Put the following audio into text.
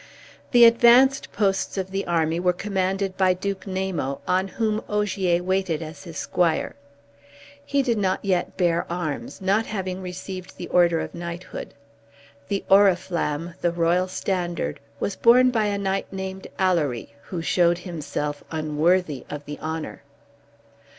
The advanced posts of the army were commanded by Duke Namo, on whom Ogier waited as his squire. He did not yet bear arms, not having received the order of knighthood. The Oriflamme, the royal standard, was borne by a knight named Alory, who showed himself unworthy of the honor.